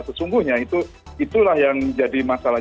sesungguhnya itulah yang jadi masalah